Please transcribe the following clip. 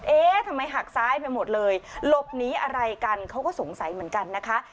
เอ๊ะทำไมหักซ้ายไปหมดเลยหลบหนีอะไรกันเขาก็สงสัยเหมือนกันนะคะ